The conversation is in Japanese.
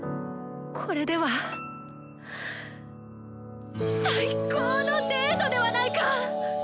これでは最高のデートではないか！